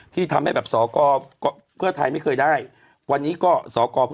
ที่ทำให้แบบสก